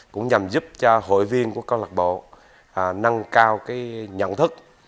cũng nhằm giúp cho hội viên của câu lạc bộ nâng cao nhận thức